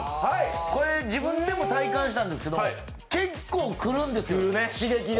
自分でも体感したんですけど、結構来るんですよ、刺激が。